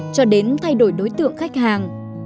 cho đến thay đổi đối tượng khách hàng